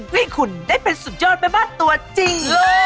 ให้คุณได้เป็นสุดยอดแม่บ้านตัวจริง